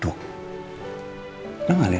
kalak banget sih ya